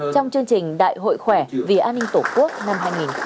trong chương trình đại hội khỏe vì an ninh tổ quốc năm hai nghìn hai mươi bốn